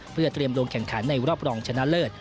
เพื่อเตรียมลงแข่งขันในรอบรองชนะเลิศ